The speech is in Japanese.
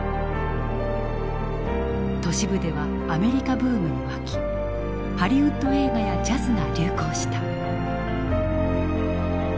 都市部ではアメリカブームに沸きハリウッド映画やジャズが流行した。